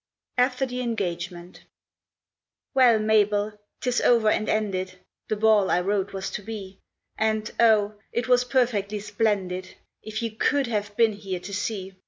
AFTER THE ENGAGEMENT Well, Mabel, 'tis over and ended The ball I wrote was to be; And oh! it was perfectly splendid If you could have been here to see.